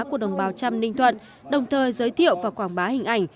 của đồng bào trăm ninh thuận đồng thời giới thiệu và quảng bá hình ảnh